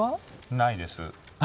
ないです。